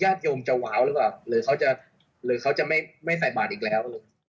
แย่ตโยมจะวาวเหรอแบบหรือเขาจะไม่ใส่บาทอีกแล้ว